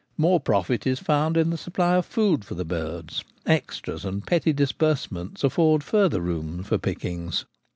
More profit is found in the supply of food for the birds : extras and petty disbursements afford further room for pickings.